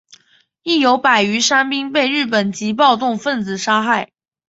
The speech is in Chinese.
亦有百余伤兵被日本籍暴动分子杀害。